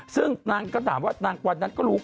ซึ่งนางก็ถามว่านางวันนั้นก็รู้